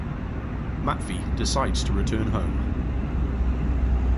Matvey decides to return home.